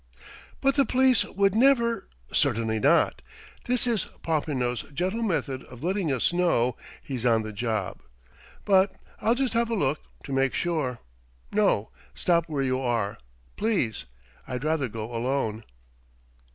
"But the police would never...!" "Certainly not. This is Popinot's gentle method of letting us know he's on the job. But I'll just have a look, to make sure.... No: stop where you are, please. I'd rather go alone."